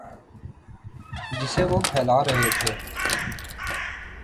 جسے وہ پھیلا رہے تھے۔